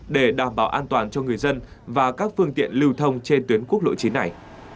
để đảm bảo an toàn cho người dân và các phương tiện lưu thông trên tuyến quốc lộ chín này